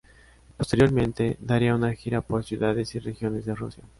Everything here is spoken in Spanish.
Posteriormente daría una gira por ciudades y regiones de Rusia.